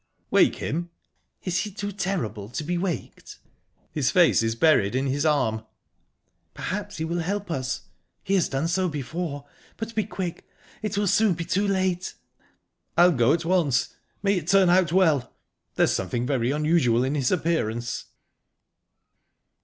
"Wake him?" "Is he too terrible to be waked?" "His face is buried in his arm." "Perhaps he will help us. He has done so before. But be quick! It will soon be too late." "I'll go at once. May it turn out well! There's something very unusual in his appearance."